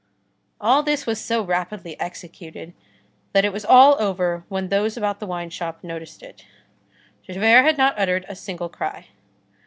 All this was so rapidly executed, that it was all over when those about the wine shop noticed it. Javert had not uttered a single cry.